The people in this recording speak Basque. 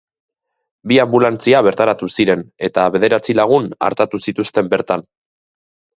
Bi anbulantzia bertaratu ziren eta bederatzi lagun artatu zituzten bertan.